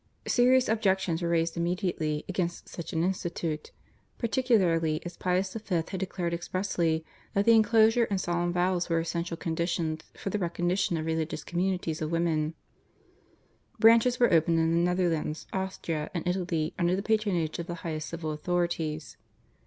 Serious objections were raised immediately against such an institute, particularly as Pius V. had declared expressly that the enclosure and solemn vows were essential conditions for the recognition of religious communities of women. Branches were opened in the Netherlands, Austria, and Italy under the patronage of the highest civil authorities.